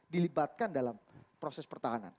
dilibatkan dalam proses pertahanan